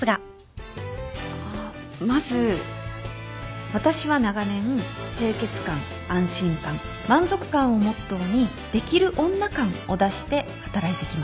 あっまず私は長年清潔感安心感満足感をモットーにできる女感を出して働いてきました。